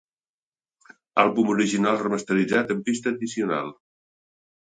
Àlbum original remasteritzat amb pista addicional.